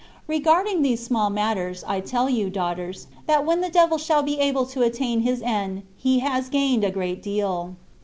Regarding these small matters, I tell you, daughters, that when the devil shall be able to attain his end, he has gained a great deal.